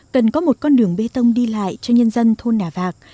cần có một con đường bê tông đi lại cho nhân dân thôn nà vạc